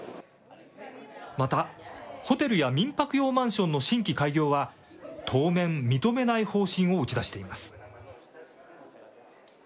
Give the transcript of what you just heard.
また、ホテルや民泊用マンションの新規開業は、当面認めない方針を打ち出しています。